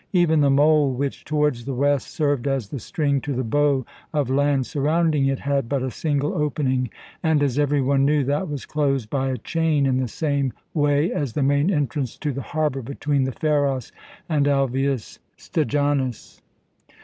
Even the mole which, towards the west, served as the string to the bow of land surrounding it, had but a single opening and as every one knew that was closed by a chain in the same way as the main entrance to the harbour between the Pharos and Alveus Steganus.